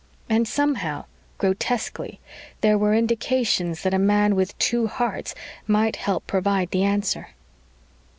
And somehow, grotesquely, there were indications that a man with two hearts might help to provide the answer.